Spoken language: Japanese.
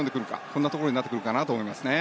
こんなところになってくるかなと思いますね。